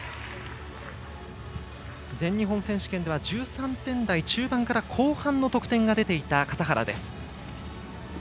全日本選手権では１３点台中盤から後半の得点が出ていた笠原です。